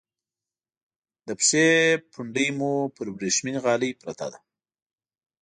د پښې پونډۍ مو پر ورېښمینې غالی پرته ده.